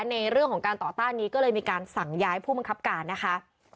ในเรื่องของการต่อต้านนี้ก็เลยมีการสั่งย้ายผู้บังคับการนะคะ